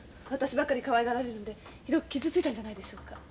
私ばかりかわいがられるんでひどく傷ついたんじゃないでしょうか？